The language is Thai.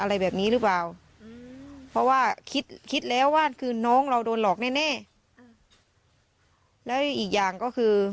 แล้วอีกอย่างก็คือ